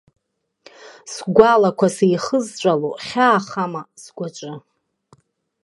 Сгәалақәа сеихызҵәало хьаахама сгәаҿы?